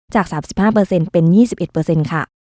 จาก๓๕เป็น๒๑ค่ะ